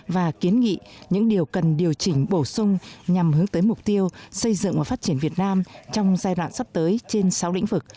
và kiến nghị những điều cần điều chỉnh bổ sung nhằm hướng tới mục tiêu xây dựng và phát triển việt nam trong giai đoạn sắp tới trên sáu lĩnh vực